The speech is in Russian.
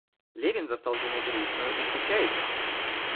Левин застал жену грустною и скучающею.